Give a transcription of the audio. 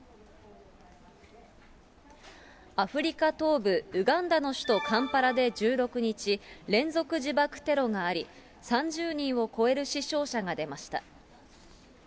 アフリカ東部、ウガンダの首都カンパラで１６日、連続自爆テロがあり、３０人を超える死傷者が出ました。